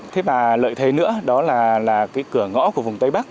thế và lợi thế nữa đó là cái cửa ngõ của vùng tây bắc